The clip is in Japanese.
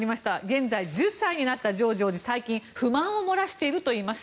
現在、１０歳になったジョージ王子は最近不満を漏らしているといいます。